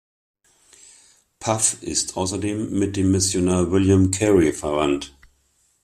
Pugh ist außerdem mit dem Missionar William Carey verwandt.